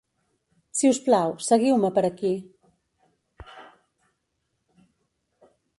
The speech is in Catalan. Si us plau, seguiu-me per aquí.